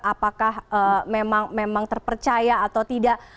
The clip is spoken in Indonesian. apakah memang terpercaya atau tidak